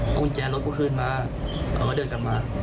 เอากุญแจรถก็ขึ้นมาเขาก็เดินกลับมา